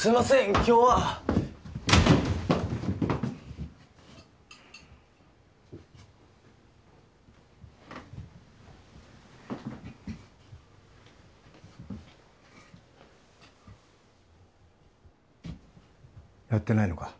今日はやってないのか？